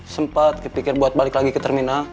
sempat kepikir buat balik lagi ke terminal